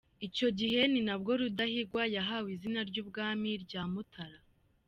Icyo gihe ni na bwo Rudahigwa yahawe izina ry’ubwami rya Mutara.